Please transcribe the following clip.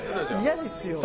嫌ですよ